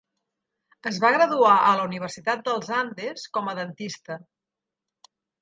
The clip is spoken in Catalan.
Es va graduar a la Universitat dels Andes com a dentista.